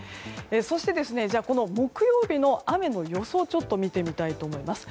そして、この木曜日の雨の予想を見てみたいと思います。